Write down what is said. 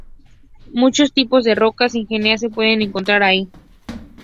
Muchos tipos de rocas ígneas se pueden encontrar allí.